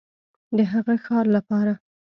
د هغه ښار لپاره